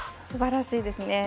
すばらしいですね。